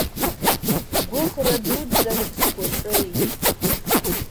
Гәыӷра дуӡӡак сгәаҿы иит.